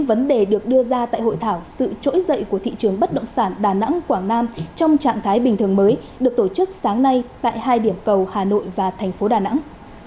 vấn đề được đưa ra tại hội thảo sự trỗi dậy của thị trường bất động sản đà nẵng quảng nam trong trạng thái bình thường mới được tổ chức sáng nay tại hai điểm cầu hà nội và thành phố đà nẵng